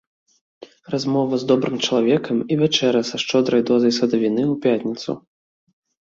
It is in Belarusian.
Размова з добрым чалавекам і вячэра са шчодрай дозай садавіны ў пятніцу.